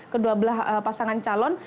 kedua belah pasangan calon